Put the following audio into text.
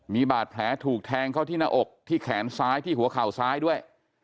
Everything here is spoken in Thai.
มีบาดแผลถูกแทงเข้าที่หน้าอกที่แขนซ้ายที่หัวเข่าซ้ายด้วย